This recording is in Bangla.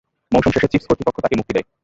মৌসুম শেষে চীফস কর্তৃপক্ষ তাঁকে মুক্তি দেয়।